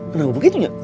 kenapa begitu ya